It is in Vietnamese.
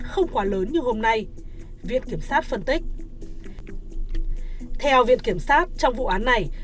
không quá lớn như hôm nay viện kiểm soát phân tích theo viện kiểm soát trong vụ án này